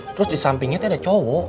terus disampingnya teh ada cowok